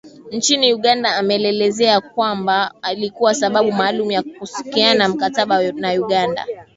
Nchini Uganda ameelezea kwamba ilikuwa na sababu maalum ya kukusaini mkataba na Uganda